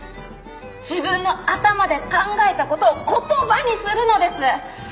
自分の頭で考えた事を言葉にするのです。